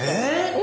え？